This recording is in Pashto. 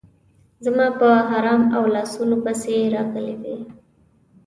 زما په احرام او لاسونو پسې راغلې وې.